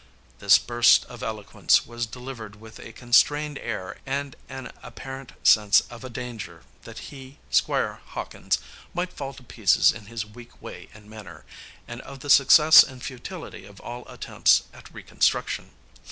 This burst of eloquence was delivered with a constrained air and an apparent sense of a danger that he, Squire Hawkins, might fall to pieces in his weak way and manner, and of the success and futility of all attempts at reconstruction.